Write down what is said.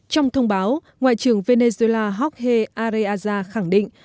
trong thông báo ngoại trưởng venezuela jorge areaza khẳng định